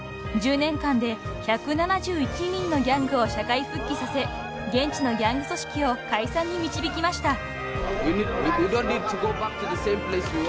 ［１０年間で１７１人のギャングを社会復帰させ現地のギャング組織を解散に導きました］